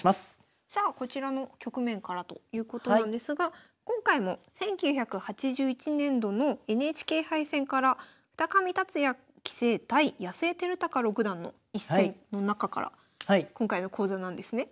じゃあこちらの局面からということなんですが今回も１９８１年度のＮＨＫ杯戦から二上達也棋聖対安恵照剛六段の一戦の中から今回の講座なんですね。